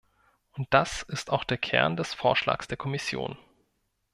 Und das ist auch der Kern des Vorschlags der Kommission.